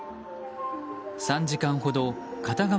３時間ほど片側